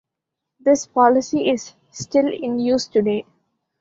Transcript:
This policy is still in use today.